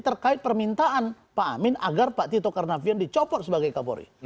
terkait permintaan pak amin agar pak tito karnavian dicopot sebagai kapolri